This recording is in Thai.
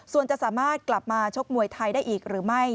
ส่วนจะสามารถกลับมาชกมวยไทยได้อีกหรือไม่